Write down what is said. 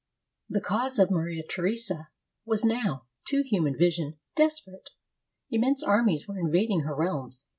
] The cause of Maria Theresa was now, to human vision, • desperate. Immense armies were invading her realms.